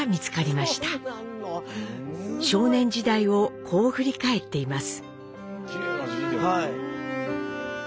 少年時代をこう振り返っています。